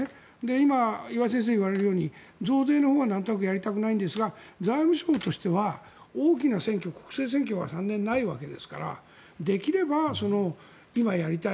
今、岩井先生が言われるように増税のほうはなんとなくやりたくないんですが財務省としては国政選挙が３年ないわけですからできれば今やりたい。